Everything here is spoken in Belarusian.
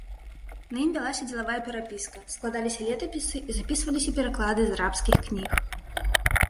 На ім вялася дзелавая перапіска, складаліся летапісы і запісваліся пераклады з арабскіх кніг.